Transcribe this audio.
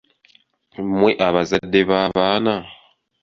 Mmwe abazadde b'abaana?